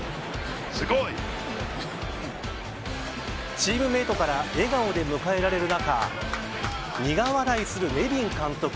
チームメートから笑顔で迎えられる中苦笑いするネビン監督